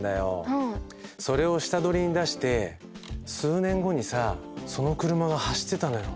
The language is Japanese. それを下取りに出して数年後にさその車が走ってたのよ。